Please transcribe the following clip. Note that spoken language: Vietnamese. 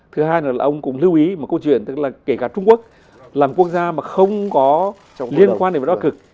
thứ hai là ông cũng lưu ý một câu chuyện tức là kể cả trung quốc làm quốc gia mà không có liên quan đến đó cực